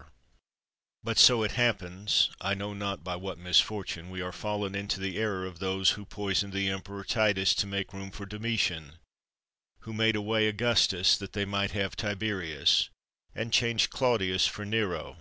lot THE WORLD'S FAMOUS ORATIONS But so it happens, I know not by what mis fortune, we are fallen into the error of those who poisoned the Emperor Titus to make room for Domitian; who made away Augustus that they might have Tiberius; and changed Clau dius for Nero.